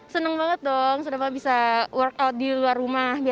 seneng banget dong sudah bisa workout di luar rumah